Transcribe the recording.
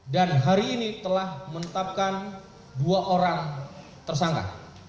dan hari ini telah menetapkan dua orang tersangka